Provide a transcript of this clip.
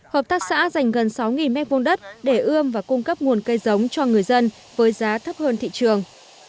hợp tác xã dành gần sáu m hai đất để ươm và cung cấp nguồn cây giống cho người dân với giá thấp hơn thị trường